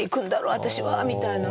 私は」みたいな。